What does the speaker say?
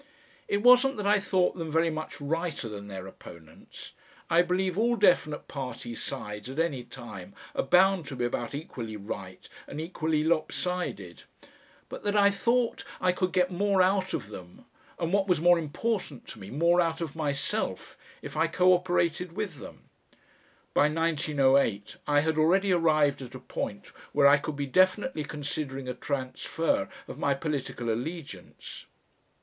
It wasn't that I thought them very much righter than their opponents; I believe all definite party "sides" at any time are bound to be about equally right and equally lop sided; but that I thought I could get more out of them and what was more important to me, more out of myself if I co operated with them. By 1908 I had already arrived at a point where I could be definitely considering a transfer of my political allegiance.